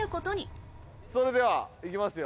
それではいきますよ。